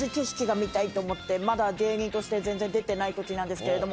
まだ芸人として全然出てない時なんですけれども。